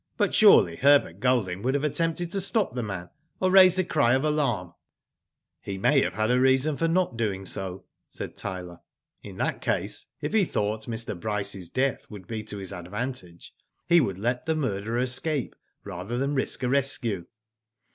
" But surely Herbert Golding would have attempted to stop the man, or raised a cry of alarm .'^" He may have had a reason for not doing so," said Tyler. " In .that case, if he thought Mr. Bryce's death would be to his advantage he would let the murderer escape rather than risk a rescue."